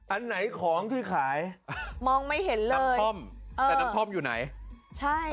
อันไหนของที่ขายมองไม่เห็นเลยน้ำท่อมอ่าแต่น้ำท่อมอยู่ไหนใช่